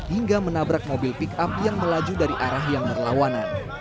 hingga menabrak mobil pick up yang melaju dari arah yang berlawanan